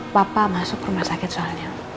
papa masuk rumah sakit soalnya